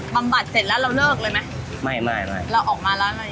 บำบัดเสร็จแล้วเราเลิกเลยไหมเราเอามาแล้วเหลืออะไร